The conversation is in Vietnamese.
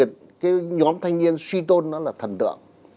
cái nhóm thanh niên suy tôn nó là thần tượng